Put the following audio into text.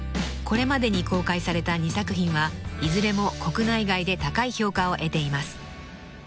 ［これまでに公開された２作品はいずれも国内外で高い評価を得ています］